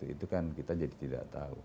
itu kan kita jadi tidak tahu